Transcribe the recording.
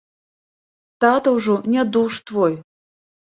Тата ўжо нядуж твой.